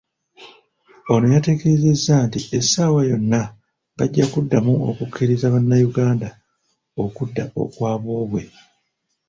Ono yategeezezza nti essaawa yonna bajja kuddamu okukkiriza Abanayuganda okudda okwa boobwe.